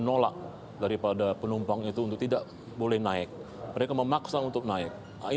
oh jadi sempat videokan juga waktu itu